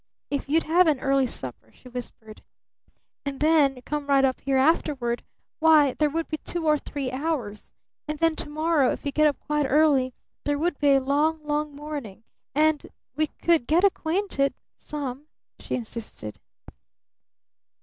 "If you'd have an early supper," she whispered, "and then come right up here afterward, why, there would be two or three hours. And then to morrow if you got up quite early, there would be a long, long morning, and we could get acquainted some," she insisted.